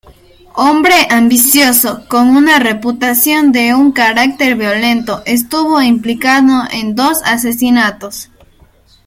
Hombre ambicioso, con una reputación de un carácter violento, estuvo implicado en dos asesinatos.